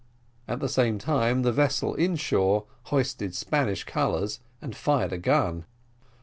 At the same time the vessel in shore hoisted Spanish colours, and fired a gun.